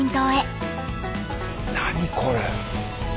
何これ。